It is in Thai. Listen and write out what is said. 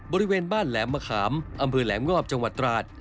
บริเวณบ้านแหลมมะขามอำเภอแหลมงอบจังหวัดตราด